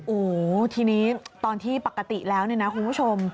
โอ้โฮทีนี้ตอนที่ปกติแล้วคุณผู้ชม